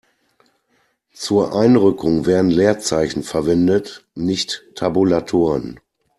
Zur Einrückung werden Leerzeichen verwendet, nicht Tabulatoren.